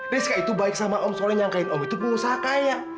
rizka itu baik sama om soalnya nyangkain om itu pengusaha kaya